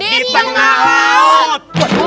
di tengah laut